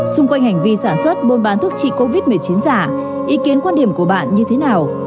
xung quanh hành vi sản xuất buôn bán thuốc trị covid một mươi chín giả ý kiến quan điểm của bạn như thế nào